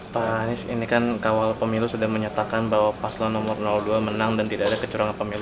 pak anies ini kan kawal pemilu sudah menyatakan bahwa paslon nomor dua menang dan tidak ada kecurangan pemilu